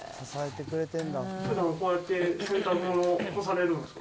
ふだん、こうやって洗濯物干されるんですか。